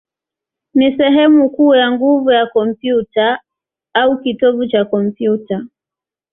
ni sehemu kuu ya nguvu ya kompyuta, au kitovu cha kompyuta.